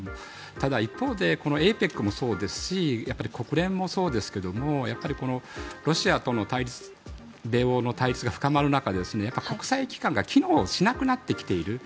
ただ一方でＡＰＥＣもそうですし国連もそうですけどロシアとの米欧の対立が深まる中やっぱり国際機関が機能しなくなってきている。